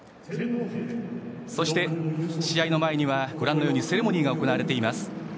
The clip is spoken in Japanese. そして、試合の前にはセレモニーが行われています。